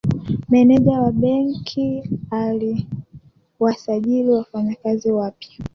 Meneja wa benki aliwasajili wafanyikazi wapya